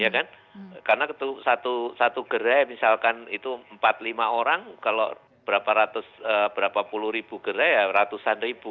karena satu gerai misalkan itu empat lima orang kalau berapa puluh ribu gerai ya ratusan ribu